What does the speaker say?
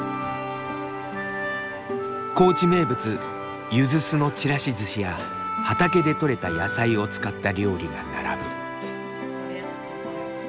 高知名物ゆず酢のちらし寿司や畑でとれた野菜を使った料理が並ぶ。